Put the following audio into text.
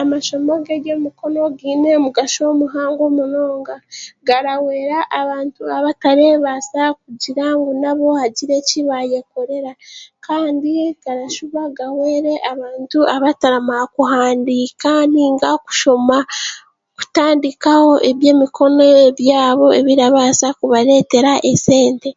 Amashomo g'eby'emikono gaine omugasho muhango munonga garahwera abantu abatareebaasa kugira ngu nabo bagire eki baayeekorera kandi garashuba gaahwere abantu abataramanya kuhaandiika nainga kushoma kukatandikaho eby'emikono ebyabo ebirikubaasa kubareetera esente